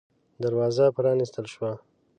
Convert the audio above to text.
دروازه پًرانيستل شوه.